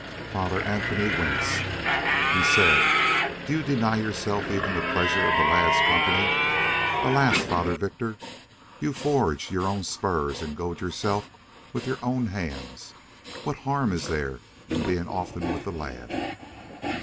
Father Anthony winced. He said: "Do you deny yourself even the pleasure of the lad's company? Alas, Father Victor, you forge your own spurs and goad yourself with your own hands. What harm is there in being often with the lad?"